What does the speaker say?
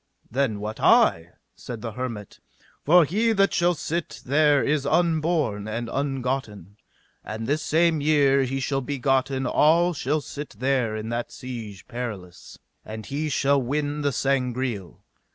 Then wot I, said the hermit, for he that shall sit there is unborn and ungotten, and this same year he shall be gotten that shall sit there in that Siege Perilous, and he shall win the Sangreal.